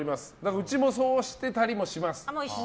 うちもそうしてたりもします。